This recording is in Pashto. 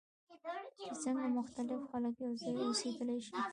چې څنګه مختلف خلک یوځای اوسیدلی شي.